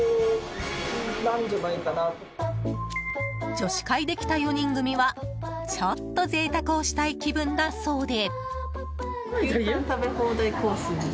女子会で来た４人組はちょっと贅沢をしたい気分だそうで。